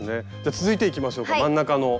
続いていきましょうか真ん中の。